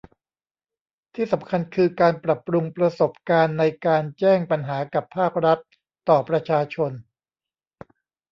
ที่สำคัญคือ การปรับปรุงประสบการณ์ในการแจ้งปัญหากับภาครัฐต่อประชาชน